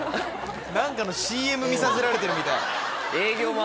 何かのＣＭ見させられてるみたい。